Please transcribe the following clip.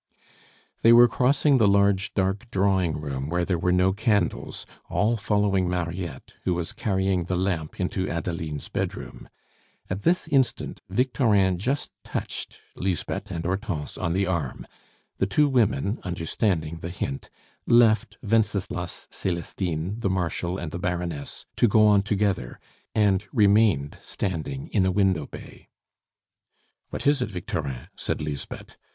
They were crossing the large, dark drawing room where there were no candles, all following Mariette, who was carrying the lamp into Adeline's bedroom. At this instant Victorin just touched Lisbeth and Hortense on the arm. The two women, understanding the hint, left Wenceslas, Celestine, the Marshal, and the Baroness to go on together, and remained standing in a window bay. "What is it, Victorin?" said Lisbeth.